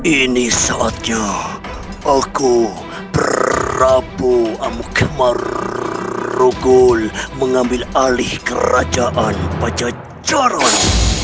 ini saatnya aku prabuamukmarugul mengambil alih kerajaan pajajoron